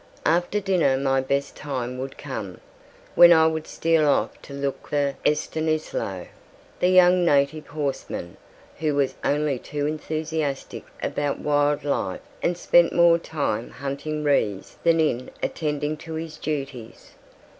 After dinner my best time would come, when I would steal off to look for Estanislao, the young native horseman, who was only too enthusiastic about wild life and spent more time hunting rheas than in attending to his duties.